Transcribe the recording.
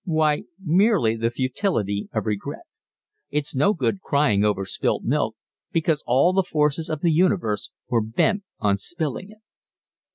"Why, merely the futility of regret. It's no good crying over spilt milk, because all the forces of the universe were bent on spilling it."